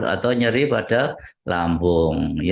atau nyeri pada lambung